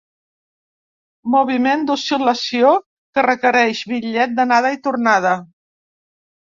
Moviment d'oscil·lació que requereix bitllet d'anada i tornada.